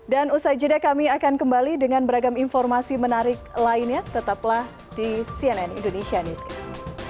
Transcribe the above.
dan usai jeda kami akan kembali dengan beragam informasi menarik lainnya tetaplah di cnn indonesia newscast